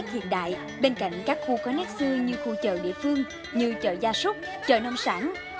hiện đại bên cạnh các khu có nét xưa như khu chợ địa phương như chợ gia súc chợ nông sản